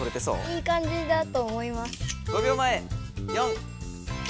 いいかんじだと思います。